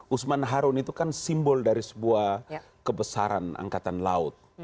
usman harun itu kan simbol dari sebuah kebesaran angkatan laut